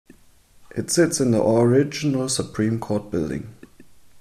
It sits in the original Supreme Court Building.